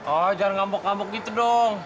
oh jangan ngambek ngambek gitu dong